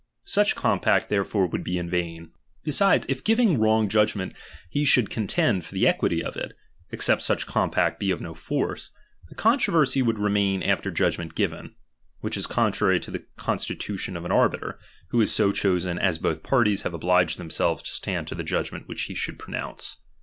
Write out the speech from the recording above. Such compact therefore would be in vain. Be sides, if giving wrong judgment he should con tend for the equity of it, except such compact be of no force, the controversy would remain after judgment given: which is contrary to the constitu tion of an arbiter, who is so chosen, as both parties have obliged themselves to staud to the judgment which he should pronouuce.